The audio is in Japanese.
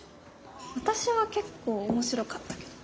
私は結構面白かったけど。